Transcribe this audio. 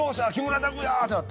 ってなって。